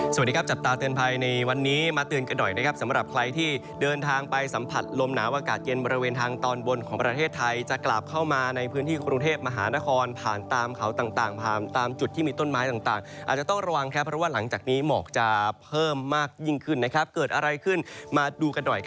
สวัสดีครับจับตาเตือนภัยในวันนี้มาเตือนกันหน่อยนะครับสำหรับใครที่เดินทางไปสัมผัสลมหนาวอากาศเย็นบริเวณทางตอนบนของประเทศไทยจะกลับเข้ามาในพื้นที่กรุงเทพมหานครผ่านตามเขาต่างผ่านตามจุดที่มีต้นไม้ต่างอาจจะต้องระวังครับเพราะว่าหลังจากนี้หมอกจะเพิ่มมากยิ่งขึ้นเกิดอะไรขึ้นมาดูกันหน่อย